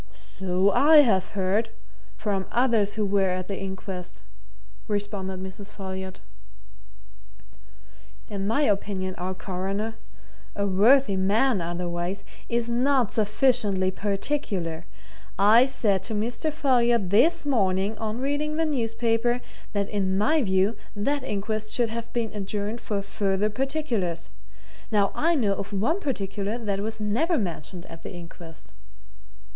"So I have heard from others who were at the inquest," responded Mrs. Folliot. "In my opinion our Coroner a worthy man otherwise is not sufficiently particular. I said to Mr. Folliot this morning, on reading the newspaper, that in my view that inquest should have been adjourned for further particulars. Now I know of one particular that was never mentioned at the inquest!"